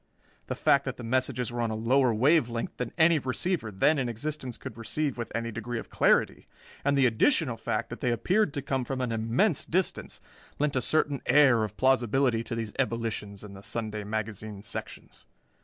The fact that the messages were on a lower wave length than any receiver then in existence could receive with any degree of clarity, and the additional fact that they appeared to come from an immense distance lent a certain air of plausibility to these ebullitions in the Sunday magazine sections.